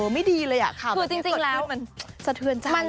ไม่ดีเลยอ่ะข่าวแบบนี้ก็จะเทือนใจอย่าง